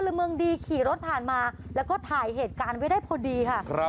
ละเมืองดีขี่รถผ่านมาแล้วก็ถ่ายเหตุการณ์ไว้ได้พอดีค่ะ